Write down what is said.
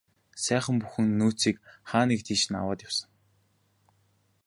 Байсан бүх нөөцийг хаа нэг тийш нь аваад явсан.